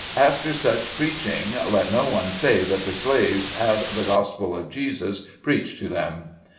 After such preaching, let no one say that the slaves have the Gospel of Jesus preached to them.